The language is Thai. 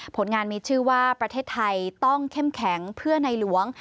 ผลงานมีชื่อว่าประเทศไทยต้องเข้มแข็งเพื่อในหลวง